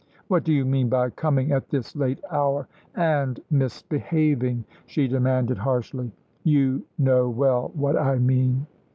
"What do you mean by coming at this late hour and misbehaving?" she demanded harshly. "You know well what I mean."